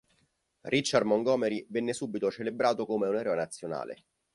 Richard Montgomery venne subito celebrato come un eroe nazionale.